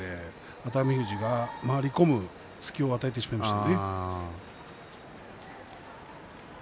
熱海富士が回り込む隙を与えてしまいました。